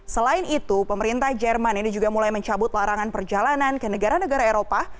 selain itu pemerintah jerman ini juga mulai mencabut larangan perjalanan ke negara negara eropa